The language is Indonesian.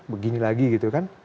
begini lagi gitu kan